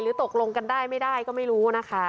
ตกลงกันได้ไม่ได้ก็ไม่รู้นะคะ